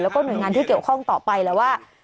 แล้วก็หน่วยงานที่เกี่ยวข้องต่อไปแล้วว่า